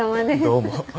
どうも。